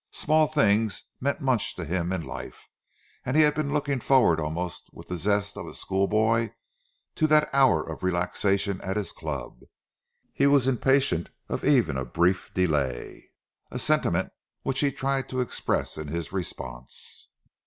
Small things meant much to him in life, and he had been looking forward almost with the zest of a schoolboy to that hour of relaxation at his club. He was impatient of even a brief delay, a sentiment which he tried to express in his response.